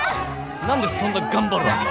何でそんな頑張るわけ？